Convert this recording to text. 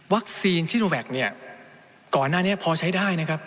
วัคซีนชิโนแวคก่อนหน้านี้พอใช้ได้นะครับ